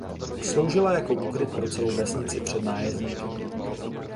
Sloužila jako úkryt pro celou vesnici před nájezdníky.